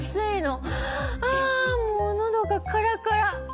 あもうのどがカラカラ。